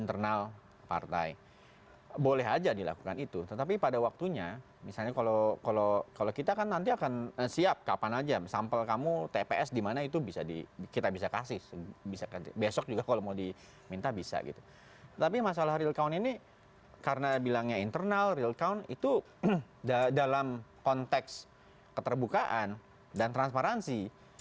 terima kasih pak bung kondi